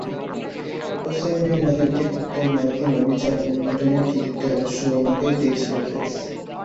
Osama bin লাদেনকে হত্যায় মার্কিন অভিযান অনুমোদনের কৃতিত্ব অবশ্য ওবামাকেই দিয়েছেন গেটস।